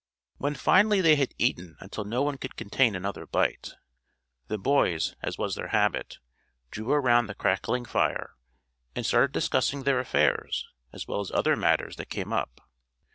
When finally they had eaten until no one could contain another bite, the boys, as was their habit, drew around the crackling fire, and started discussing their affairs, as well as other matters that came up.